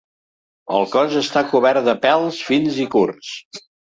El cos està cobert de pèls fins i curts.